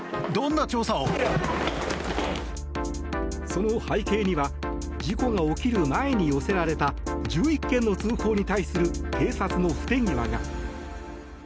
その背景には事故が起きる前に寄せられた１１件の通報に対する警察の不手際が。